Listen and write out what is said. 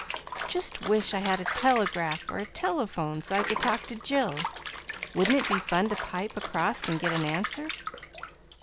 "Just wish I had a telegraph or a telephone, so I could talk to Jill. Wouldn't it be fun to pipe across and get an answer!"